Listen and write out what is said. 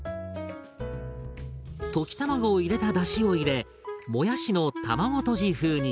溶き卵を入れただしを入れもやしの卵とじ風に。